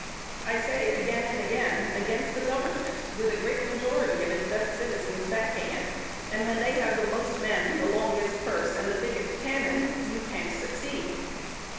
I say again and again, against the Government, with a great majority of its best citizens backing it, and when they have the most men, the longest purse, and the biggest cannon, you can't succeed.